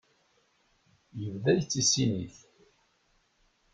Yebda yettissin-it.